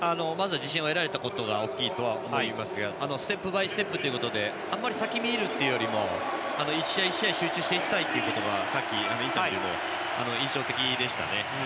まず自信を得られたことが大きいと思いますがステップバイステップということであまり先を見ることよりも１試合１試合に集中したいというのが印象的でした。